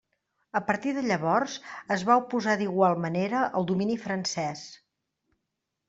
A partir de llavors es va oposar d'igual manera al domini francés.